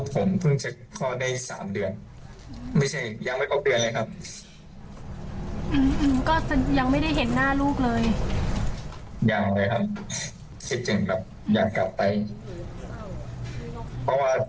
ผมคิดว่าผมจะมีโอกาสกลับไปเห็นครอบครัว